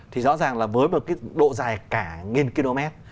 thì rõ ràng là với một cái độ dài cả nghìn km